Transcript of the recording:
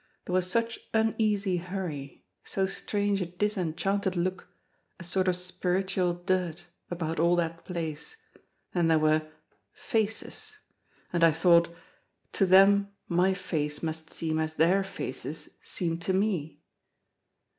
There was such uneasy hurry, so strange a disenchanted look, a sort of spiritual dirt, about all that place, and there were—faces! And I thought: To them my face must seem as their faces seem to me!